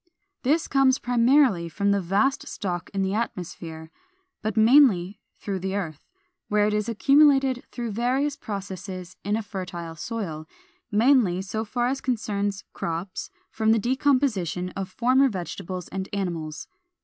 This comes primarily from the vast stock in the atmosphere, but mainly through the earth, where it is accumulated through various processes in a fertile soil, mainly, so far as concerns crops, from the decomposition of former vegetables and animals.